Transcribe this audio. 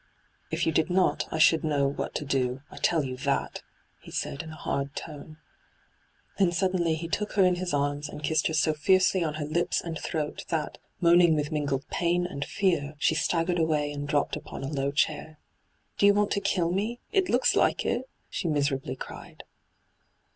' If you did not, I should know what to do. I tell you that 1' he said, in a hard tone. Then suddenly he took her in his arms, and kissed her so fiercely on her lips and throat that, moaning with mingled pain and fear, she staggered away and dropped upon a low chair. ' Do you want to kill me ? It looks like it I' she miserably cried.